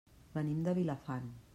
Venim de Vilafant.